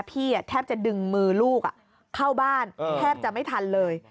แทบจะดึงมือลูกเข้าบ้านแทบจะไม่ทันเลย